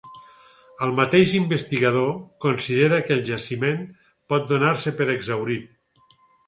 El mateix investigador considera que el jaciment pot donar-se per exhaurit.